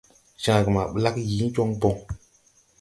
Cããge ma ɓlagge yii jɔŋ bɔŋ.